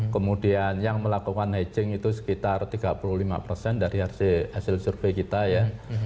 kemudian yang melakukan hetching itu sekitar tiga puluh lima persen dari hasil survei kita ya